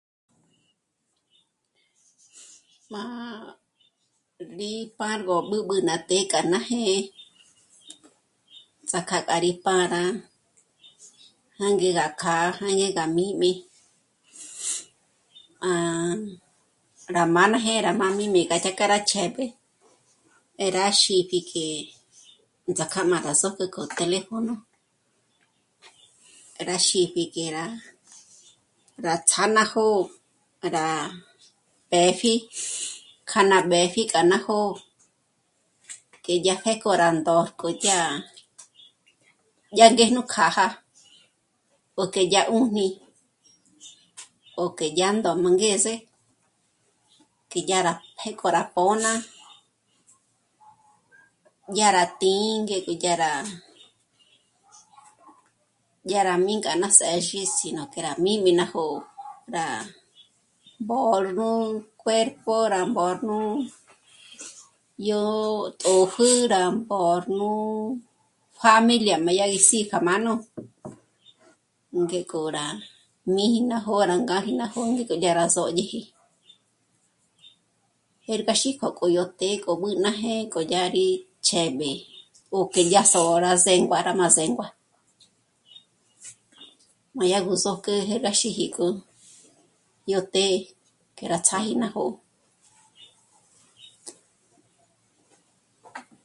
Má rí pârgo b'ǚb'ǘ ná të́'ë k'a ná jë́'ë tsják'a gá rí pâra, jânge gá kjâ'a, jânge gá mī́'mī́, 'á rá má ná jë́'ë rá má'a mí né'e gá dyà k'a rá chěb'e rá xípji k'e tsák'a má rá sópjü k'o teléfono, rá xípji ngé rá, rá tsá ná jó'o, rá pë́pji kja ná b'ë́pji k'a ná jó'o, k'e yá pjék'o rá ndö̌jko dyà, dyà ngéjnú kjâja o k'e dyà 'ùjni o k'e dyà ndó má angeze, k'e dyà rá pjék'o rá 'ó'n'a, dyà rá tī̌'ī ngék'o dyà rá, dyà rá mi k'a ná sězhi sí no k'e rá mī́'mī́ ná jó'o, rá mbǒrnu cuerpo, rá mbǒrnu yó tòpjü, rá mbǒrj nú pjámilia má dyá gí sí kja mán'u ngék'o rá míji ná jó'o rá ngáji ná jó'o ngék'o dyá rá sö̀dyeje. Jérga xí jòk'ü yó të́'ë k'o b'ǘ ná jë́'ë k'o dyá rí chěb'e ó k'e dyá s'ôra zéngua rá má zéngua, má dyágo sǒküjé rá xíjik'ü yó të́'ë k'e rá tsjáji ná jó'o